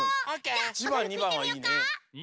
じゃあおどるくんいってみようか。